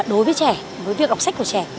đối với trẻ với việc đọc sách của trẻ